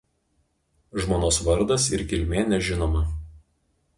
Žmonos vardas ir kilmė nežinoma.